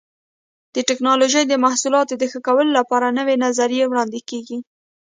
د ټېکنالوجۍ د محصولاتو د ښه کېدلو لپاره نوې نظریې وړاندې کېږي.